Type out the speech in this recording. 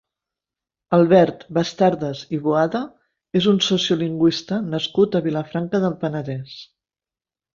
Albert Bastardas i Boada és un sociolinguïsta nascut a Vilafranca del Penedès.